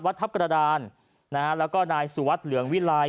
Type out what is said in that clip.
ทัพกระดานนะฮะแล้วก็นายสุวัสดิ์เหลืองวิลัย